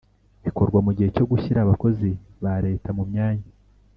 Bikorwa mu gihe cyo gushyira abakozi ba Leta mu myanya